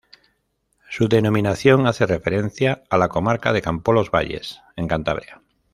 Su denominación hace referencia a la Comarca de Campoo-Los Valles, en Cantabria.